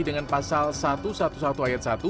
dengan pasal satu ratus sebelas ayat satu